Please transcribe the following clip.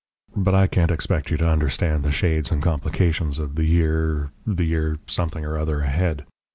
But I can't expect you to understand the shades and complications of the year the year something or other ahead.